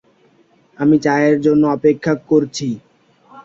আমি চায়ের জন্যে অপেক্ষা করছি।